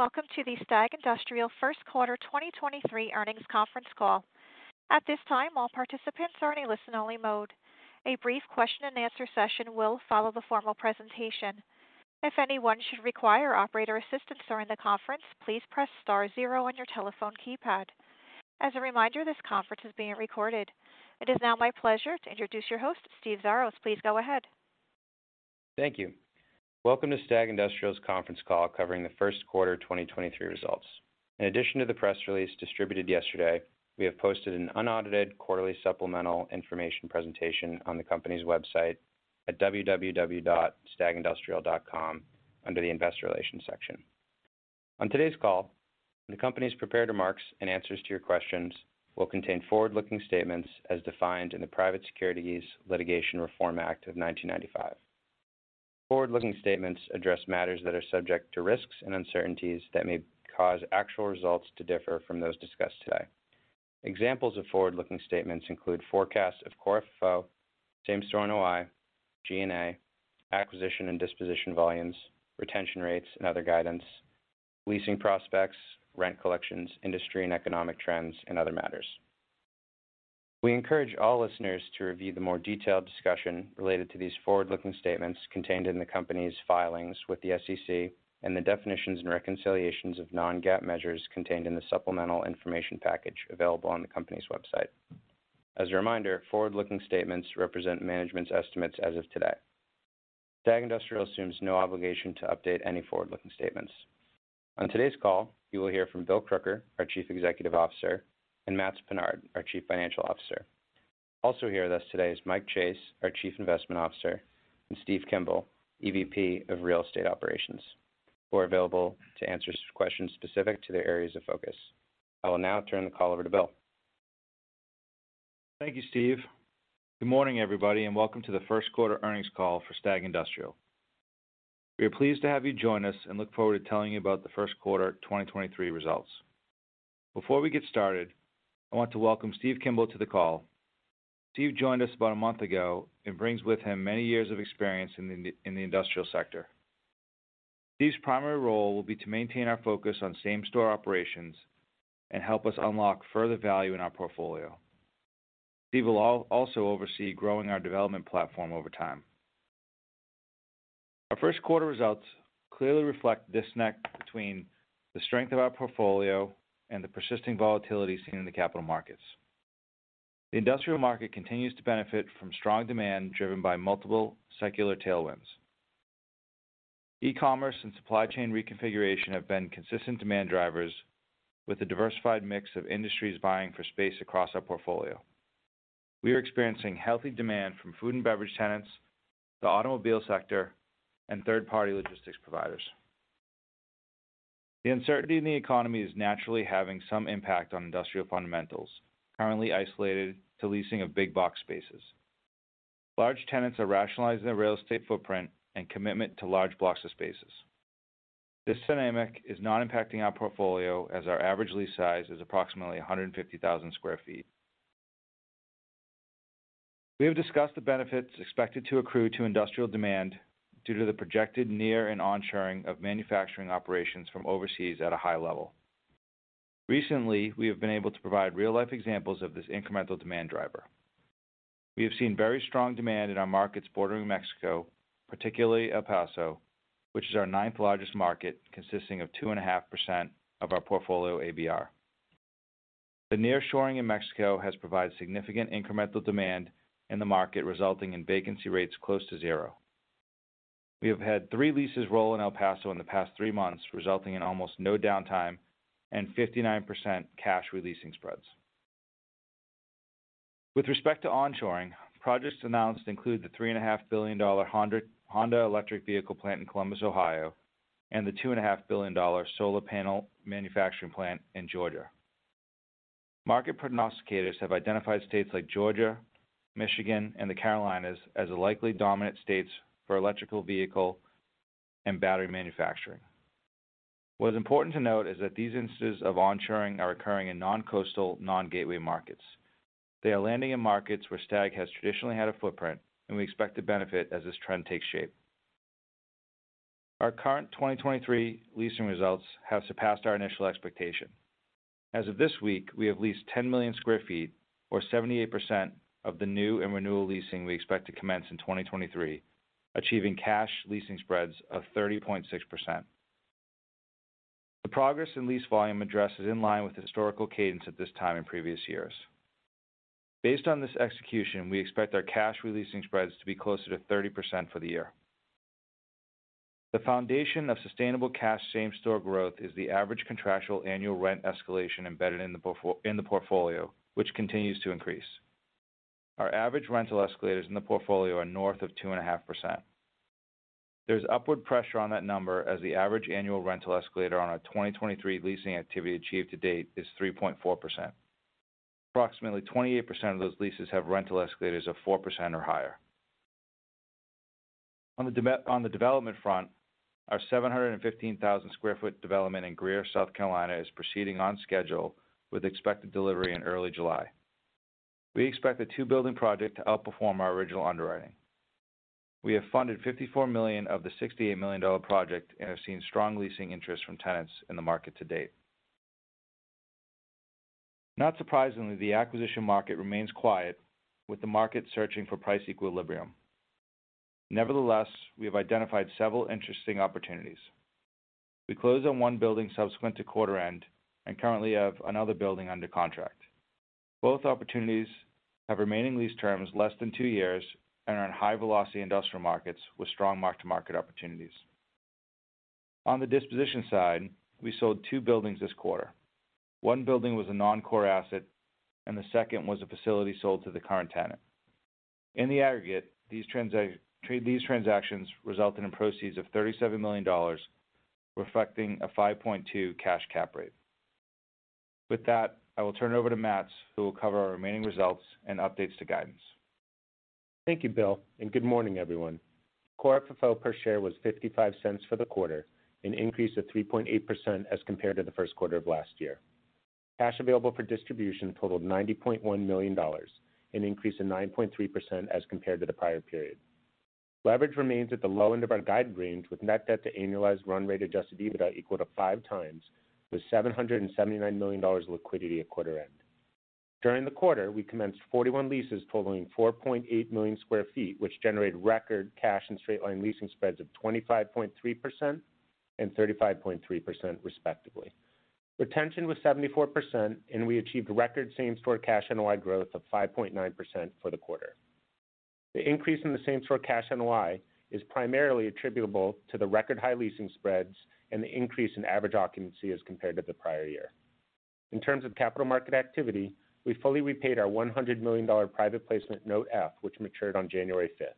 Welcome to the STAG Industrial First Quarter 2023 Earnings Conference Call. At this time, all participants are in a listen only mode. A brief question and answer session will follow the formal presentation. If anyone should require operator assistance during the conference, please press star zero on your telephone keypad. As a reminder, this conference is being recorded. It is now my pleasure to introduce your host, Steve Xiarhos. Please go ahead. Thank you. Welcome to STAG Industrial's conference call covering the first quarter 2023 results. In addition to the press release distributed yesterday, we have posted an unaudited quarterly supplemental information presentation on the company's website at www.stagindustrial.com under the Investor Relations section. On today's call, the company's prepared remarks and answers to your questions will contain forward-looking statements as defined in the Private Securities Litigation Reform Act of 1995. Forward-looking statements address matters that are subject to risks and uncertainties that may cause actual results to differ from those discussed today. Examples of forward-looking statements include forecasts of core FFO, same-store NOI, G&A, acquisition and disposition volumes, retention rates and other guidance, leasing prospects, rent collections, industry and economic trends, and other matters. We encourage all listeners to review the more detailed discussion related to these forward-looking statements contained in the company's filings with the SEC and the definitions and reconciliations of non-GAAP measures contained in the supplemental information package available on the company's website. As a reminder, forward-looking statements represent management's estimates as of today. STAG Industrial assumes no obligation to update any forward-looking statements. On today's call, you will hear from Bill Crooker, our Chief Executive Officer, and Matts Pinard, our Chief Financial Officer. Also here with us today is Mike Chase, our Chief Investment Officer, and Steve Kimball, EVP of Real Estate Operations, who are available to answer questions specific to their areas of focus. I will now turn the call over to Bill. Thank you, Steve. Good morning, everybody, and welcome to the first quarter earnings call for STAG Industrial. We are pleased to have you join us and look forward to telling you about the first quarter 2023 results. Before we get started, I want to welcome Steve Kimball to the call. Steve joined us about a month ago and brings with him many years of experience in the industrial sector. Steve's primary role will be to maintain our focus on same-store operations and help us unlock further value in our portfolio. Steve will also oversee growing our development platform over time. Our first quarter results clearly reflect disconnect between the strength of our portfolio and the persisting volatility seen in the capital markets. The industrial market continues to benefit from strong demand driven by multiple secular tailwinds. E-commerce and supply chain reconfiguration have been consistent demand drivers with a diversified mix of industries buying for space across our portfolio. We are experiencing healthy demand from food and beverage tenants, the automobile sector, and third-party logistics providers. The uncertainty in the economy is naturally having some impact on industrial fundamentals, currently isolated to leasing of big box spaces. Large tenants are rationalizing their real estate footprint and commitment to large blocks of spaces. This dynamic is not impacting our portfolio as our average lease size is approximately 150,000 sq ft. We have discussed the benefits expected to accrue to industrial demand due to the projected nearshoring and onshoring of manufacturing operations from overseas at a high level. Recently, we have been able to provide real-life examples of this incremental demand driver. We have seen very strong demand in our markets bordering Mexico, particularly El Paso, which is our ninth largest market consisting of 2.5% of our portfolio ABR. The nearshoring in Mexico has provided significant incremental demand in the market, resulting in vacancy rates close to zero. We have had three leases roll in El Paso in the past three months, resulting in almost no downtime and 59% cash re-leasing spreads. With respect to onshoring, projects announced include the three and a half billion dollar Honda electric vehicle plant in Columbus, Ohio, and the two and a half billion dollar solar panel manufacturing plant in Georgia. Market prognosticators have identified states like Georgia, Michigan, and the Carolinas as the likely dominant states for electric vehicle and battery manufacturing. What is important to note is that these instances of onshoring are occurring in non-coastal, non-gateway markets. They are landing in markets where STAG has traditionally had a footprint, we expect to benefit as this trend takes shape. Our current 2023 leasing results have surpassed our initial expectation. As of this week, we have leased 10 million sq ft or 78% of the new and renewal leasing we expect to commence in 2023, achieving cash leasing spreads of 30.6%. The progress in lease volume address is in line with the historical cadence at this time in previous years. Based on this execution, we expect our cash re-leasing spreads to be closer to 30% for the year. The foundation of sustainable cash same-store growth is the average contractual annual rent escalation embedded in the portfolio, which continues to increase. Our average rental escalators in the portfolio are north of 2.5%. There's upward pressure on that number as the average annual rental escalator on our 2023 leasing activity achieved to date is 3.4%. Approximately 28% of those leases have rental escalators of 4% or higher. On the development front, our 715,000 sq ft development in Greer, South Carolina, is proceeding on schedule with expected delivery in early July. We expect the two-building project to outperform our original underwriting. We have funded $54 million of the $68 million project and have seen strong leasing interest from tenants in the market to date. Not surprisingly, the acquisition market remains quiet with the market searching for price equilibrium. We have identified several interesting opportunities. We closed on one building subsequent to quarter end and currently have another building under contract. Both opportunities have remaining lease terms less than two years and are in high velocity industrial markets with strong mark-to-market opportunities. On the disposition side, we sold two buildings this quarter. One building was a non-core asset, and the second was a facility sold to the current tenant. In the aggregate, these transactions resulted in proceeds of $37 million, reflecting a 5.2% cash cap rate. With that, I will turn it over to Matts, who will cover our remaining results and updates to guidance. Thank you, Bill. Good morning, everyone. core FFO per share was $0.55 for the quarter, an increase of 3.8% as compared to the first quarter of last year. Cash Available for Distribution totaled $90.1 million, an increase of 9.3% as compared to the prior period. Leverage remains at the low end of our guide range, with net debt to annualized run rate adjusted EBITDA equal to 5x, with $779 million liquidity at quarter end. During the quarter, we commenced 41 leases totaling 4.8 million sq ft, which generated record cash and straight-line leasing spreads of 25.3% and 35.3%, respectively. Retention was 74%, and we achieved record same-store cash NOI growth of 5.9% for the quarter. The increase in the same-store cash NOI is primarily attributable to the record high leasing spreads and the increase in average occupancy as compared to the prior year. In terms of capital market activity, we fully repaid our $100 million private placement Note F, which matured on January fifth.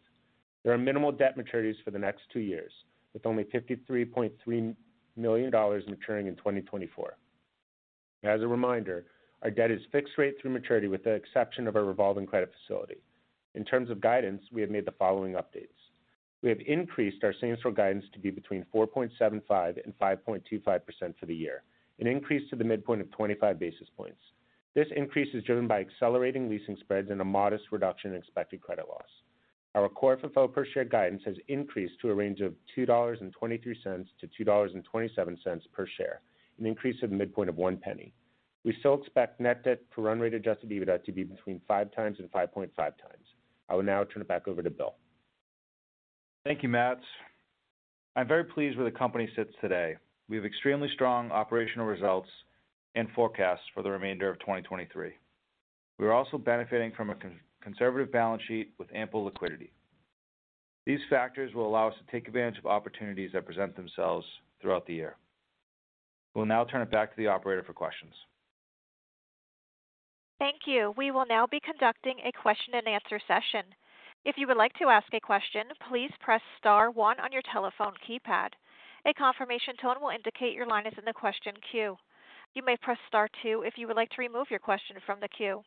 There are minimal debt maturities for the next two years, with only $53.3 million maturing in 2024. As a reminder, our debt is fixed rate through maturity with the exception of our revolving credit facility. In terms of guidance, we have made the following updates. We have increased our same-store guidance to be between 4.75% and 5.25% for the year, an increase to the midpoint of 25 basis points. This increase is driven by accelerating leasing spreads and a modest reduction in expected credit loss. Our core FFO per share guidance has increased to a range of $2.23-$2.27 per share, an increase of the midpoint of $0.01. We still expect net debt to run rate adjusted EBITDA to be between 5x and 5.5x. I will now turn it back over to Bill. Thank you, Mats. I'm very pleased where the company sits today. We have extremely strong operational results and forecasts for the remainder of 2023. We are also benefiting from a conservative balance sheet with ample liquidity. These factors will allow us to take advantage of opportunities that present themselves throughout the year. We'll now turn it back to the operator for questions. Thank you. We will now be conducting a question and answer session. If you would like to ask a question, please press star one on your telephone keypad. A confirmation tone will indicate your line is in the question queue. You may press star two if you would like to remove your question from the queue.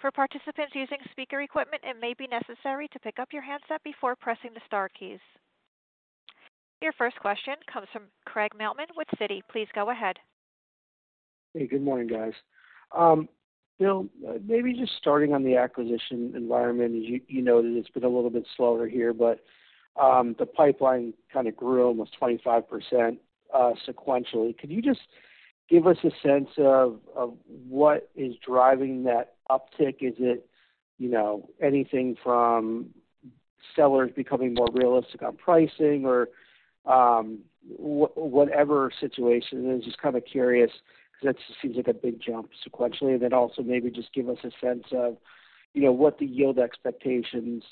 For participants using speaker equipment, it may be necessary to pick up your handset before pressing the star keys. Your first question comes from Craig Mailman with Citi. Please go ahead. Hey, good morning, guys. Bill, maybe just starting on the acquisition environment. As you know that it's been a little bit slower here, but the pipeline kind of grew almost 25% sequentially. Could you just give us a sense of what is driving that uptick? Is it, you know, anything from sellers becoming more realistic on pricing or whatever situation? Just kind of curious because that seems like a big jump sequentially. Also maybe just give us a sense of, you know, what the yield expectations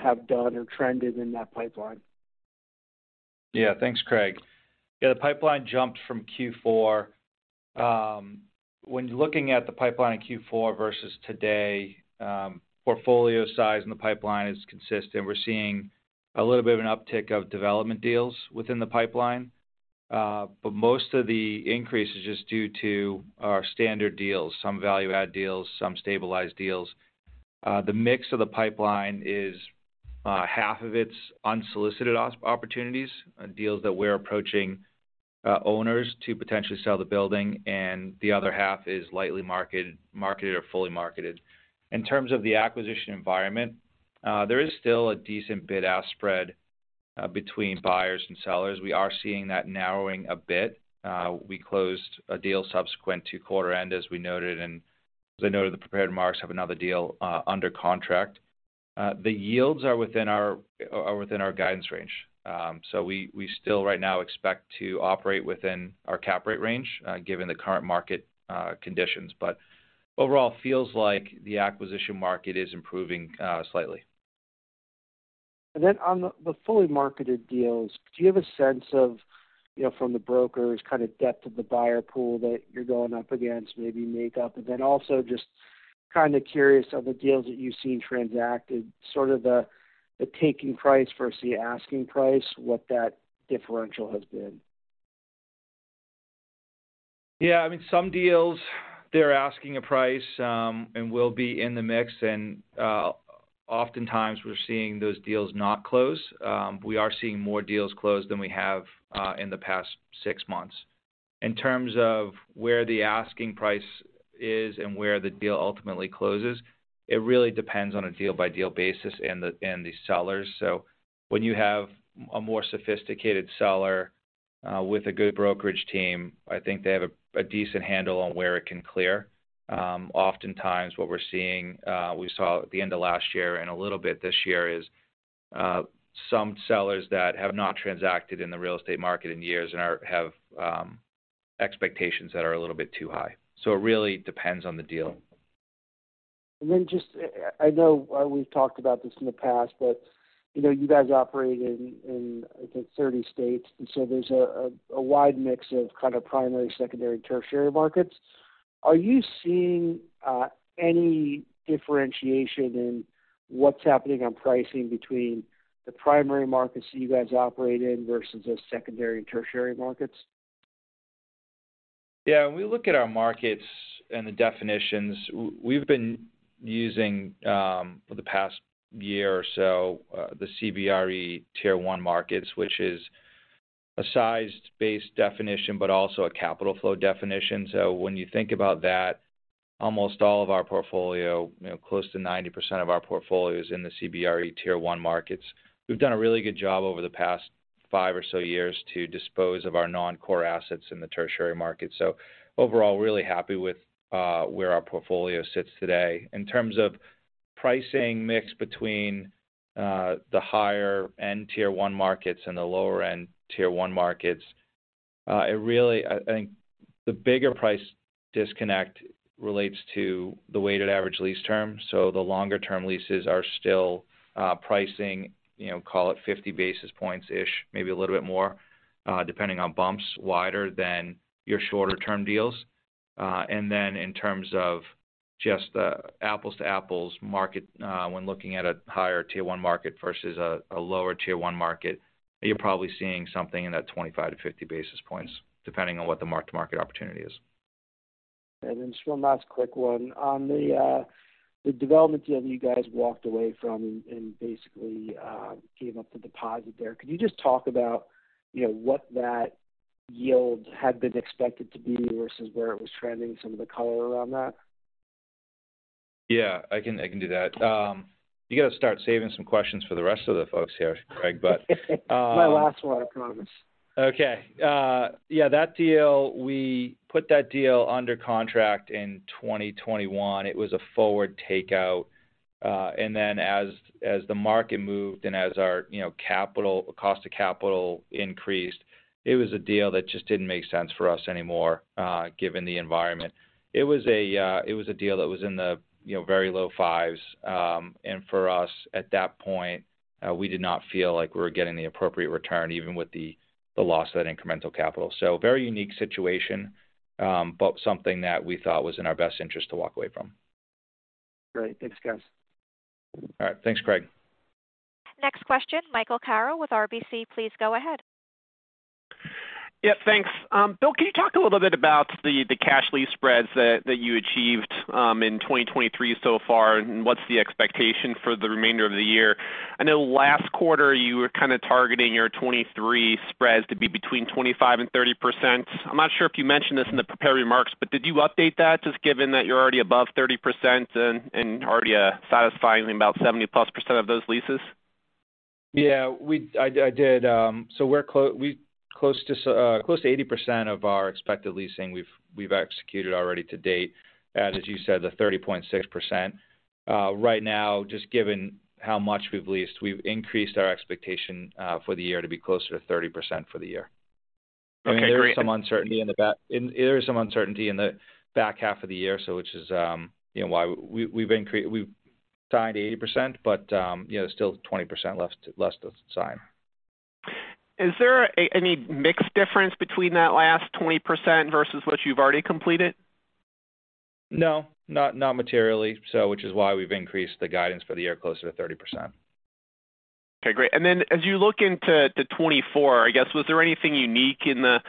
have done or trended in that pipeline. Yeah. Thanks, Craig. Yeah, the pipeline jumped from Q4. When looking at the pipeline in Q4 versus today, portfolio size in the pipeline is consistent. We're seeing a little bit of an uptick of development deals within the pipeline. Most of the increase is just due to our standard deals, some value add deals, some stabilized deals. The mix of the pipeline is half of it's unsolicited opportunities, deals that we're approaching owners to potentially sell the building, and the other half is lightly marketed or fully marketed. In terms of the acquisition environment, there is still a decent bid-ask spread between buyers and sellers. We are seeing that narrowing a bit. We closed a deal subsequent to quarter end, as we noted. As I noted in the prepared remarks, have another deal under contract. The yields are within our guidance range. We still right now expect to operate within our cap rate range, given the current market conditions. Overall feels like the acquisition market is improving slightly. On the fully marketed deals, do you have a sense of, you know, from the brokers kind of depth of the buyer pool that you're going up against maybe make up? Also just kind of curious, of the deals that you've seen transacted, sort of the taking price versus the asking price, what that differential has been? I mean, some deals they're asking a price and will be in the mix. Oftentimes, we're seeing those deals not close. We are seeing more deals close than we have in the past six months. In terms of where the asking price is and where the deal ultimately closes, it really depends on a deal by deal basis and the sellers. When you have a more sophisticated seller, with a good brokerage team, I think they have a decent handle on where it can clear. Oftentimes, what we're seeing, we saw at the end of last year and a little bit this year, is some sellers that have not transacted in the real estate market in years and have expectations that are a little bit too high. It really depends on the deal. Just, I know, we've talked about this in the past, but, you know, you guys operate in, I think, 30 states, and so there's a wide mix of kind of primary, secondary, tertiary markets. Are you seeing, any differentiation in what's happening on pricing between the primary markets that you guys operate in versus those secondary and tertiary markets? Yeah. When we look at our markets and the definitions we've been using for the past year or so, the CBRE Tier 1 markets, which is a size-based definition, but also a capital flow definition. When you think about that, almost all of our portfolio, you know, close to 90% of our portfolio is in the CBRE Tier 1 markets. We've done a really good job over the past five or so years to dispose of our non-core assets in the tertiary market. Overall, really happy with where our portfolio sits today. In terms of pricing mix between the higher-end Tier 1 markets and the lower-end Tier 1 markets, it really, I think the bigger price disconnect relates to the weighted average lease term. The longer term leases are still pricing, you know, call it 50 basis points-ish, maybe a little bit more, depending on bumps wider than your shorter term deals. In terms of just the apples to apples market, when looking at a higher Tier 1 market versus a lower Tier 1 market, you're probably seeing something in that 25-50 basis points, depending on what the mark-to-market opportunity is. Just one last quick one. On the development deal that you guys walked away from and basically gave up the deposit there, could you just talk about, you know, what that yield had been expected to be versus where it was trending, some of the color around that? Yeah. I can, I can do that. You got to start saving some questions for the rest of the folks here, Craig, but. My last one, I promise. Okay. Yeah, that deal, we put that deal under contract in 2021. It was a forward takeout. As the market moved and as our, you know, cost to capital increased, it was a deal that just didn't make sense for us anymore, given the environment. It was a deal that was in the, you know, very low fives, and for us at that point, we did not feel like we were getting the appropriate return, even with the loss of that incremental capital. Very unique situation, something that we thought was in our best interest to walk away from. Great. Thanks, guys. All right. Thanks, Craig. Next question, Michael Carroll with RBC. Please go ahead. Yeah, thanks. Bill, can you talk a little bit about the cash lease spreads that you achieved in 2023 so far, and what's the expectation for the remainder of the year? I know last quarter you were kind of targeting your 2023 spreads to be between 25% and 30%. I'm not sure if you mentioned this in the prepared remarks, but did you update that, just given that you're already above 30% and already satisfying about 70%+ of those leases? Yeah. I did. We're close to 80% of our expected leasing, we've executed already to date. As you said, the 30.6%. Right now, just given how much we've leased, we've increased our expectation for the year to be closer to 30% for the year. Okay, great. I mean, there is some uncertainty. There is some uncertainty in the back half of the year, which is, you know, why we've signed 80%. You know, still 20% left to sign. Is there any mix difference between that last 20% versus what you've already completed? No, not materially. Which is why we've increased the guidance for the year closer to 30%. Okay, great. As you look into 2024, I guess, was there anything unique in the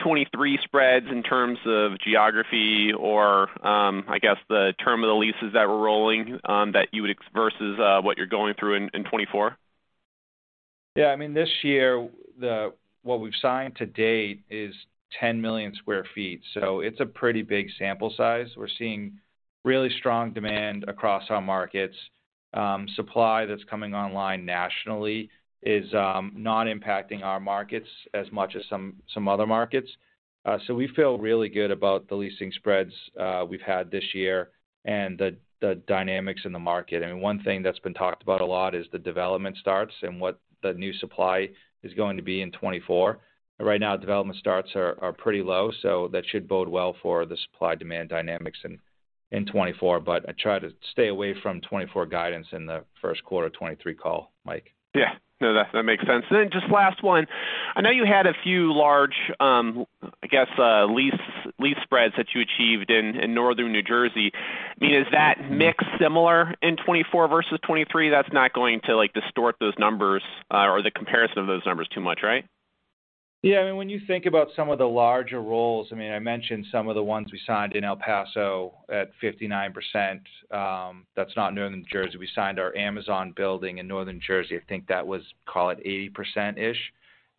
2023 spreads in terms of geography or, I guess, the term of the leases that were rolling, that you would versus, what you're going through in 2024? Yeah. I mean, this year, what we've signed to date is 10 million sq ft, so it's a pretty big sample size. We're seeing really strong demand across our markets. Supply that's coming online nationally is not impacting our markets as much as some other markets. We feel really good about the leasing spreads we've had this year and the dynamics in the market. I mean, one thing that's been talked about a lot is the development starts and what the new supply is going to be in 2024. Right now, development starts are pretty low, so that should bode well for the supply-demand dynamics in 2024, but I try to stay away from 2024 guidance in the first quarter of 2023 call, Mike. Yeah. No, that makes sense. Just last one. I know you had a few large lease spreads that you achieved in Northern New Jersey. I mean, is that mix similar in 2024 versus 2023? That's not going to like distort those numbers, or the comparison of those numbers too much, right? Yeah, I mean, when you think about some of the larger roles, I mean, I mentioned some of the ones we signed in El Paso at 59%, that's not Northern Jersey. We signed our Amazon building in Northern Jersey. I think that was, call it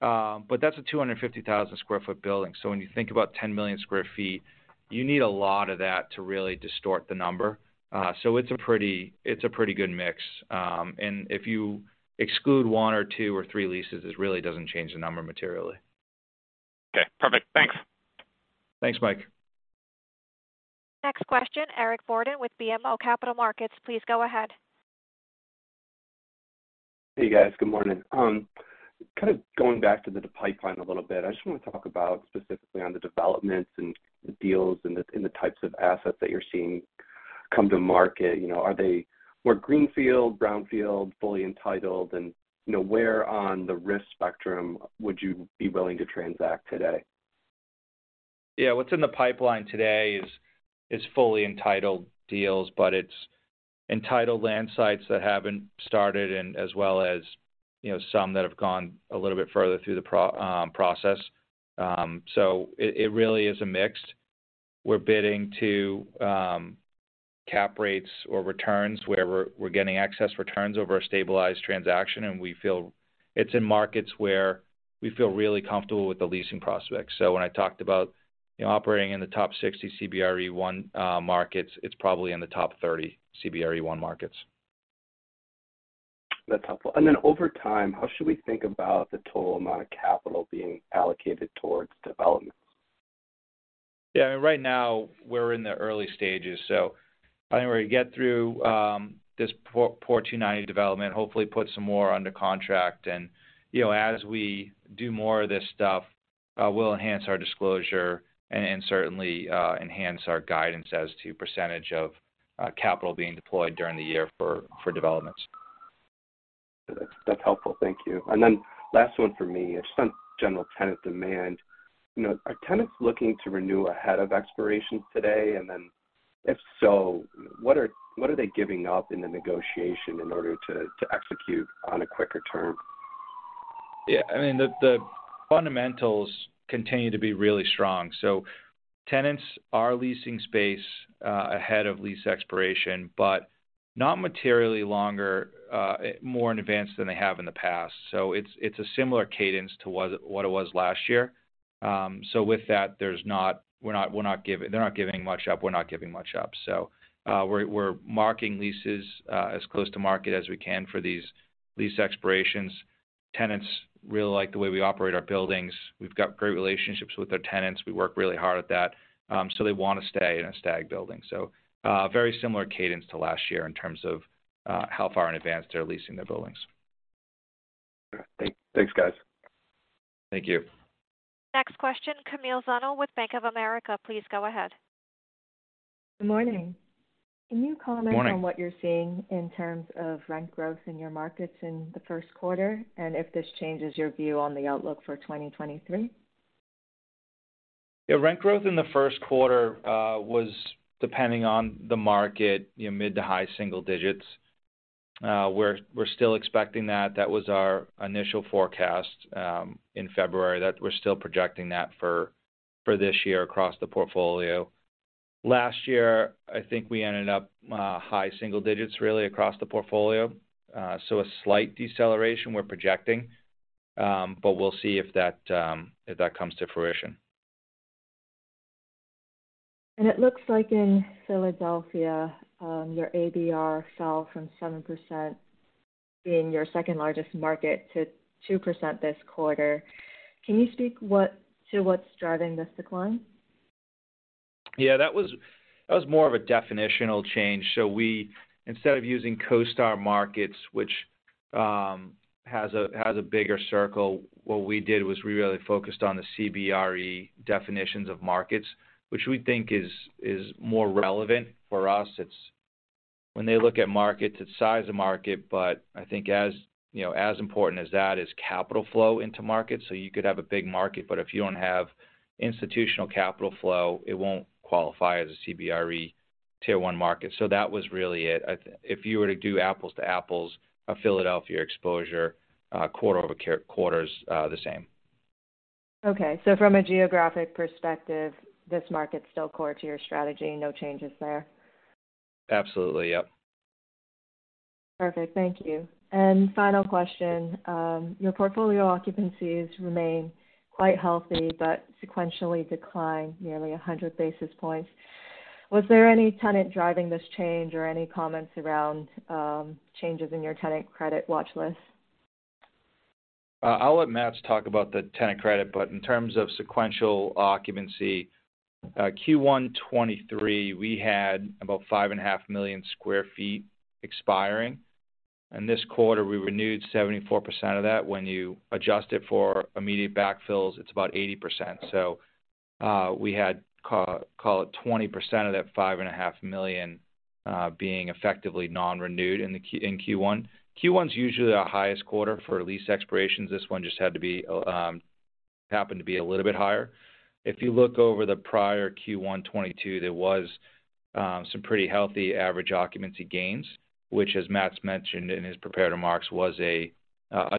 80%-ish. That's a 250,000 sq ft building. When you think about 10 million sq ft, you need a lot of that to really distort the number. It's a pretty good mix. If you exclude one or two or three leases, it really doesn't change the number materially. Okay, perfect. Thanks. Thanks, Mike. Next question, Eric Borden with BMO Capital Markets. Please go ahead. Hey, guys. Good morning. Kind of going back to the pipeline a little bit. I just wanna talk about specifically on the developments and the deals and the types of assets that you're seeing come to market. You know, are they more greenfield, brownfield, fully entitled? You know, where on the risk spectrum would you be willing to transact today? Yeah. What's in the pipeline today is fully entitled deals. It's entitled land sites that haven't started and as well as, you know, some that have gone a little bit further through the process. It really is a mix. We're bidding to cap rates or returns where we're getting excess returns over a stabilized transaction. We feel it's in markets where we feel really comfortable with the leasing prospects. When I talked about, you know, operating in the top 60 CBRE Tier 1 markets, it's probably in the top 30 CBRE Tier 1 markets. That's helpful. Over time, how should we think about the total amount of capital being allocated towards development? Yeah. I mean, right now we're in the early stages, I think we're gonna get through this Port 290 development, hopefully put some more under contract. You know, as we do more of this stuff, we'll enhance our disclosure and certainly enhance our guidance as to % of capital being deployed during the year for developments. That's helpful. Thank you. Last one for me. Just on general tenant demand. You know, are tenants looking to renew ahead of expirations today? If so, what are they giving up in the negotiation in order to execute on a quicker term? Yeah, I mean, the fundamentals continue to be really strong. Tenants are leasing space ahead of lease expiration, but not materially longer, more in advance than they have in the past. It's a similar cadence to what it was last year. With that, they're not giving much up, we're not giving much up. We're marking leases as close to market as we can for these lease expirations. Tenants really like the way we operate our buildings. We've got great relationships with our tenants. We work really hard at that, they want to stay in a STAG building. Very similar cadence to last year in terms of how far in advance they're leasing their buildings. Okay. Thanks, guys. Thank you. Next question, Camille Bonnel with Bank of America. Please go ahead. Good morning. Morning. Can you comment on what you're seeing in terms of rent growth in your markets in the first quarter, and if this changes your view on the outlook for 2023? Yeah. Rent growth in the first quarter, was depending on the market, you know, mid to high single digits. We're still expecting that. That was our initial forecast in February, that we're still projecting that for this year across the portfolio. Last year, I think we ended up high single digits really across the portfolio. A slight deceleration we're projecting, but we'll see if that, if that comes to fruition. it looks like in Philadelphia, your ADR fell from 7% being your second-largest market to 2% this quarter. Can you speak to what's driving this decline? Yeah, that was more of a definitional change. We, instead of using CoStar markets, which has a bigger circle, what we did was we really focused on the CBRE definitions of markets, which we think is more relevant for us. When they look at markets, it's size of market, but I think as, you know, as important as that is capital flow into markets. You could have a big market, but if you don't have institutional capital flow, it won't qualify as a CBRE Tier 1 market. That was really it. If you were to do apples to apples, a Philadelphia exposure, quarter-over-quarter, the same. Okay. From a geographic perspective, this market's still core to your strategy, no changes there? Absolutely. Yep. Perfect. Thank you. Final question. Your portfolio occupancies remain quite healthy but sequentially decline nearly 100 basis points. Was there any tenant driving this change or any comments around changes in your tenant credit watch list? I'll let Matts talk about the tenant credit, but in terms of sequential occupancy, Q1 2023, we had about 5.5 million sq ft expiring. This quarter, we renewed 74% of that. When you adjust it for immediate backfills, it's about 80%. We had, call it 20% of that 5.5 million being effectively non-renewed in Q1. Q1's usually our highest quarter for lease expirations. This one just happened to be a little bit higher. If you look over the prior Q1 2022, there was some pretty healthy average occupancy gains, which as Matts mentioned in his prepared remarks, was a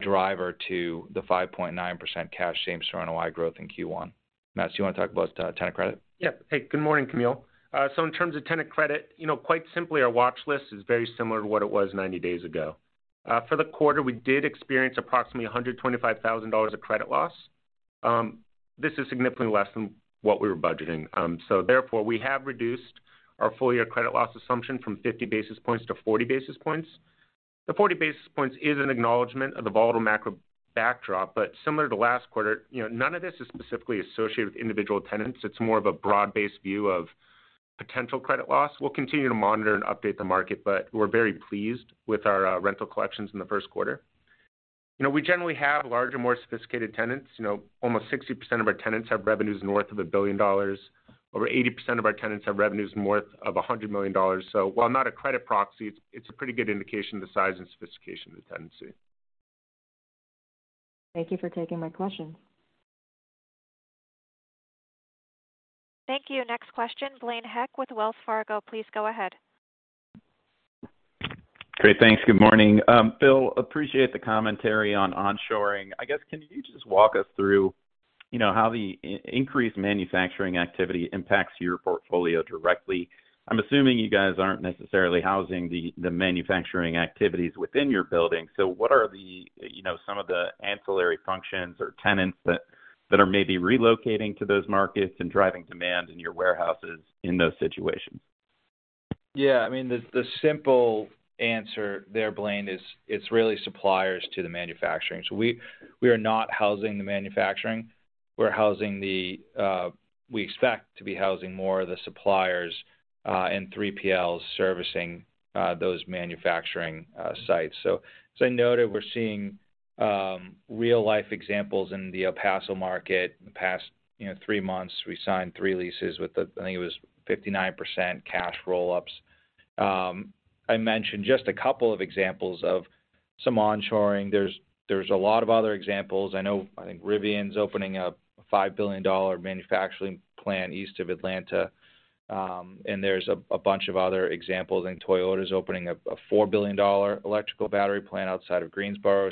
driver to the 5.9% same-store cash NOI growth in Q1. Matts, do you want to talk about tenant credit? Yeah. Hey, good morning, Camille. In terms of tenant credit, you know, quite simply, our watch list is very similar to what it was 90 days ago. For the quarter, we did experience approximately $125,000 of credit loss. This is significantly less than what we were budgeting, so therefore, we have reduced our full year credit loss assumption from 50 basis points to 40 basis points. The 40 basis points is an acknowledgment of the volatile macro backdrop, but similar to last quarter, you know, none of this is specifically associated with individual tenants. It's more of a broad-based view of potential credit loss. We'll continue to monitor and update the market, but we're very pleased with our rental collections in the first quarter. You know, we generally have larger, more sophisticated tenants. You know, almost 60% of our tenants have revenues north of $1 billion. Over 80% of our tenants have revenues north of $100 million. While not a credit proxy, it's a pretty good indication of the size and sophistication of the tenancy. Thank you for taking my question. Thank you. Next question, Blaine Heck with Wells Fargo. Please go ahead. Great. Thanks. Good morning. Bill, appreciate the commentary on onshoring. I guess, can you just walk us through, you know, how the increased manufacturing activity impacts your portfolio directly? I'm assuming you guys aren't necessarily housing the manufacturing activities within your building. What are the, you know, some of the ancillary functions or tenants that are maybe relocating to those markets and driving demand in your warehouses in those situations? Yeah, I mean, the simple answer there, Blaine, is it's really suppliers to the manufacturing. We are not housing the manufacturing. We're housing the, we expect to be housing more of the suppliers, and 3PLs servicing those manufacturing sites. As I noted, we're seeing real-life examples in the El Paso market. In the past, you know, three months, we signed three leases with the, I think it was 59% cash roll-ups. I mentioned just a couple of examples of some onshoring. There's a lot of other examples. I know, I think Rivian's opening a $5 billion manufacturing plant east of Atlanta, and there's a bunch of other examples, and Toyota's opening up a $4 billion electrical battery plant outside of Greensboro.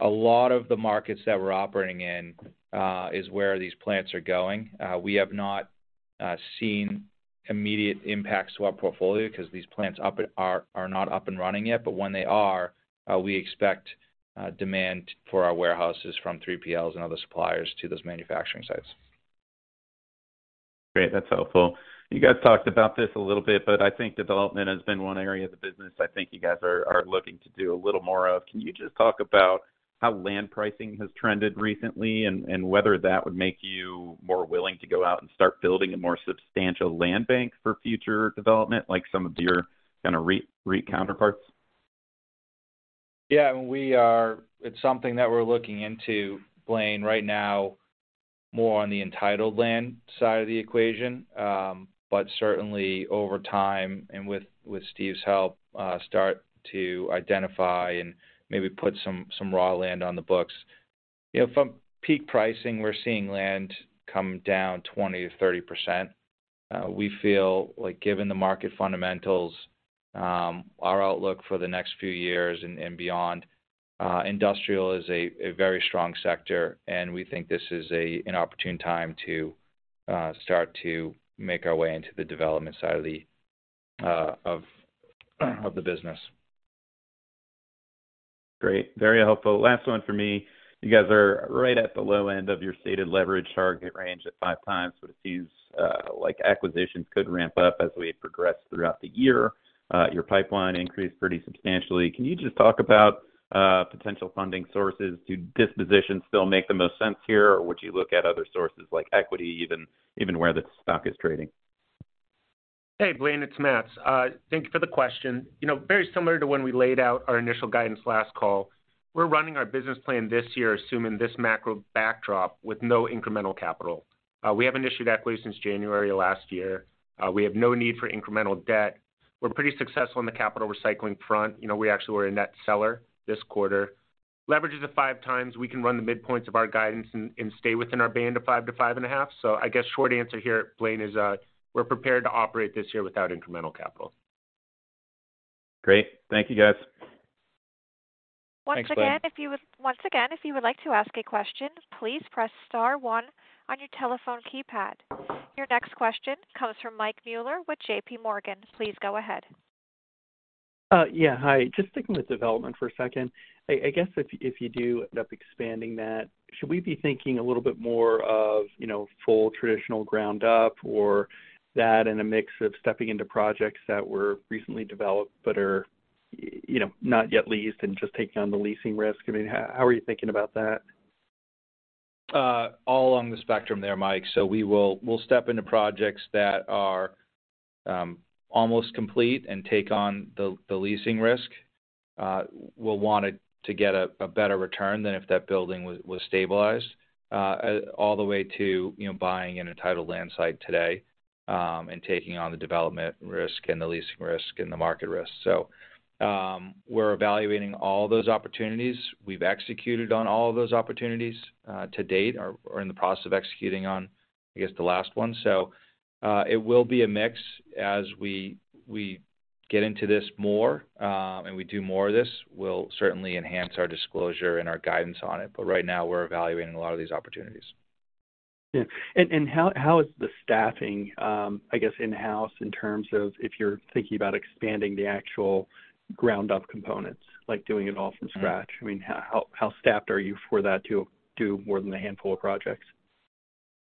A lot of the markets that we're operating in, is where these plants are going. We have not seen immediate impacts to our portfolio because these plants are not up and running yet. When they are, we expect demand for our warehouses from 3PLs and other suppliers to those manufacturing sites. Great. That's helpful. You guys talked about this a little bit. I think development has been one area of the business I think you guys are looking to do a little more of. Can you just talk about how land pricing has trended recently and whether that would make you more willing to go out and start building a more substantial land bank for future development like some of your kind of REIT counterparts? Yeah. I mean, we are. It's something that we're looking into, Blaine, right now more on the entitled land side of the equation. Certainly over time and with Steve's help, start to identify and maybe put some raw land on the books. You know, from peak pricing, we're seeing land come down 20%-30%. We feel like given the market fundamentals, our outlook for the next few years and beyond, industrial is a very strong sector, we think this is an opportune time to start to make our way into the development side of the business. Great. Very helpful. Last one for me. You guys are right at the low end of your stated leverage target range at 5x. It seems like acquisitions could ramp up as we progress throughout the year. Your pipeline increased pretty substantially. Can you just talk about potential funding sources? Do dispositions still make the most sense here, or would you look at other sources like equity, even where the stock is trading? Hey, Blaine, it's Matts. Thank you for the question. You know, very similar to when we laid out our initial guidance last call, we're running our business plan this year, assuming this macro backdrop with no incremental capital. We haven't issued equity since January of last year. We have no need for incremental debt. We're pretty successful on the capital recycling front. You know, we actually were a net seller this quarter. Leverage is at 5x. We can run the midpoints of our guidance and stay within our band of five to five and a half. I guess short answer here, Blaine, is we're prepared to operate this year without incremental capital. Great. Thank you, guys. Thanks, Blaine. Once again, if you would like to ask a question, please press star one on your telephone keypad. Your next question comes from Mike Mueller with JPMorgan. Please go ahead. Yeah. Hi. Just sticking with development for a second. I guess if you do end up expanding that, should we be thinking a little bit more of, you know, full traditional ground up or that in a mix of stepping into projects that were recently developed but are, you know, not yet leased and just taking on the leasing risk? I mean, how are you thinking about that? All along the spectrum there, Mike. We will, we'll step into projects that are almost complete and take on the leasing risk. We'll want it to get a better return than if that building was stabilized, all the way to, you know, buying an entitled land site today, and taking on the development risk and the leasing risk and the market risk. We're evaluating all those opportunities. We've executed on all of those opportunities to date. Are in the process of executing on, I guess, the last one. It will be a mix as we get into this more, and we do more of this, we'll certainly enhance our disclosure and our guidance on it, but right now, we're evaluating a lot of these opportunities. Yeah. How is the staffing, I guess in-house in terms of if you're thinking about expanding the actual ground up components, like doing it all from scratch. I mean, how staffed are you for that to do more than a handful of projects?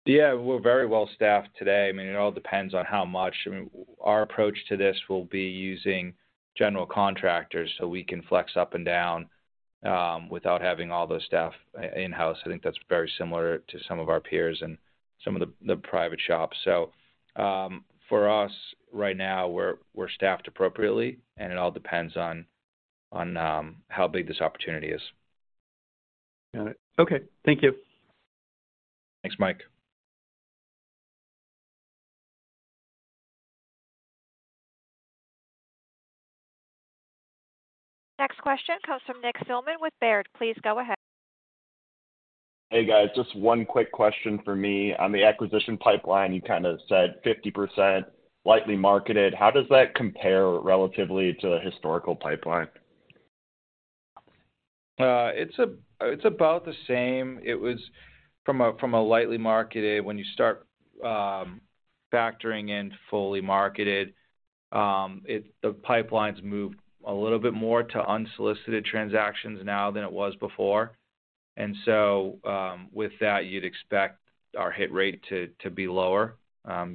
We're very well staffed today. I mean, it all depends on how much. I mean, our approach to this will be using general contractors so we can flex up and down without having all those staff in-house. I think that's very similar to some of our peers and some of the private shops. For us right now, we're staffed appropriately, and it all depends on how big this opportunity is. Got it. Okay. Thank you. Thanks, Mike. Next question comes from Nick Thillman with Baird. Please go ahead. Hey, guys. Just one quick question for me. On the acquisition pipeline, you kind of said 50% lightly marketed. How does that compare relatively to the historical pipeline? It's about the same. It was from a lightly marketed. When you start factoring in fully marketed, the pipelines moved a little bit more to unsolicited transactions now than it was before. With that, you'd expect our hit rate to be lower,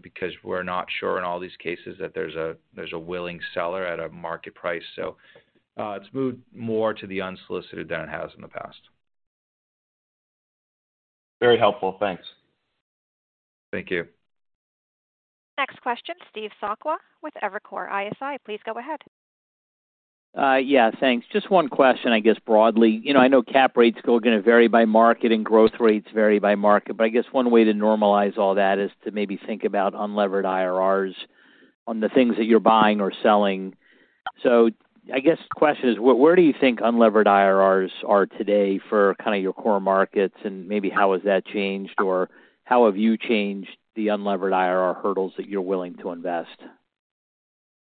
because we're not sure in all these cases that there's a willing seller at a market price. It's moved more to the unsolicited than it has in the past. Very helpful. Thanks. Thank you. Next question, Steve Sakwa with Evercore ISI. Please go ahead. Yeah. Thanks. Just one question, I guess, broadly. You know, I know cap rates gonna vary by market and growth rates vary by market, but I guess one way to normalize all that is to maybe think about unlevered IRRs on the things that you're buying or selling. I guess the question is: Where do you think unlevered IRRs are today for kinda your core markets, and maybe how has that changed, or how have you changed the unlevered IRR hurdles that you're willing to invest?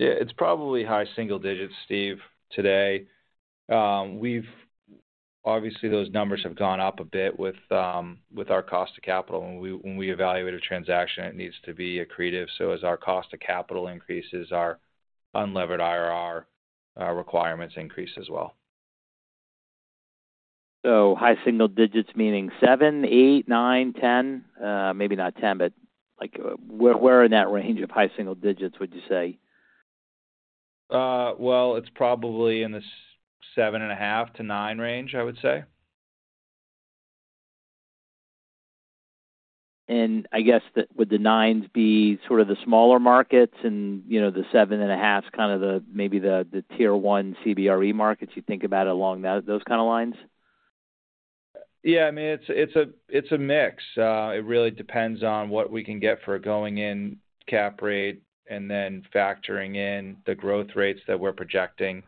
Yeah. It's probably high single digits, Steve, today. Obviously, those numbers have gone up a bit with our cost of capital, and when we evaluate a transaction, it needs to be accretive, so as our cost of capital increases, our unlevered IRR requirements increase as well. High single digits, meaning 7, 8, 9, 10? Maybe not 10, but, like, where in that range of high single digits would you say? Well, it's probably in the 7.5-9 range, I would say. I guess the would the 9s be sort of the smaller markets and, you know, the 7.5s kind of the, maybe the CBRE Tier 1 markets, you think about it along those kind of lines? I mean, it's a mix. It really depends on what we can get for a going-in cap rate and then factoring in the growth rates that we're projecting.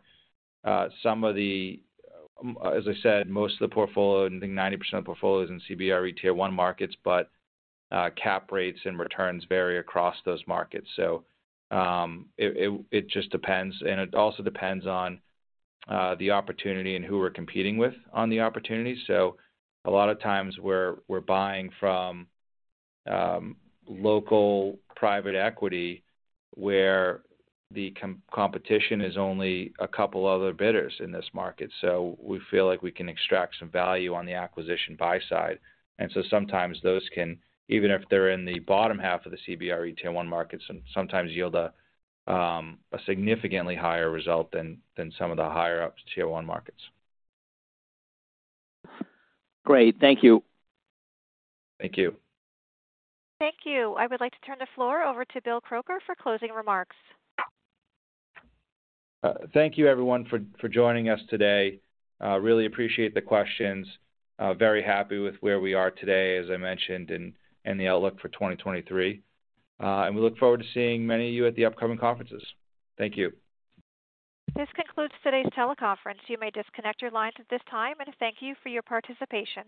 As I said, most of the portfolio, I think 90% of the portfolio is in CBRE Tier 1 markets, but cap rates and returns vary across those markets. It just depends, and it also depends on the opportunity and who we're competing with on the opportunity. A lot of times, we're buying from local private equity, where the competition is only a couple other bidders in this market, so we feel like we can extract some value on the acquisition buy side. Sometimes those can, even if they're in the bottom half of the CBRE Tier 1 markets, and sometimes yield a significantly higher result than some of the higher up Tier 1 markets. Great. Thank you. Thank you. Thank you. I would like to turn the floor over to Bill Crooker for closing remarks. Thank you, everyone, for joining us today. Really appreciate the questions. Very happy with where we are today, as I mentioned, and the outlook for 2023. We look forward to seeing many of you at the upcoming conferences. Thank you. This concludes today's teleconference. You may disconnect your lines at this time. Thank you for your participation.